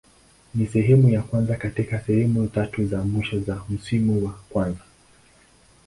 Ni sehemu ya kwanza katika sehemu tatu za mwisho za msimu wa kwanza.